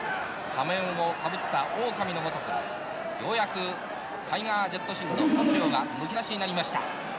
仮面をかぶったオオカミのごとくようやくタイガー・ジェット・シンの本性がむき出しになりました。